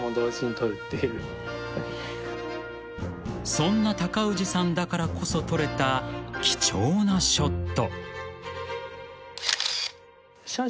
［そんな高氏さんだからこそ撮れた貴重なショット］